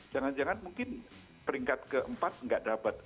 jangan jangan mungkin peringkat keempat nggak dapat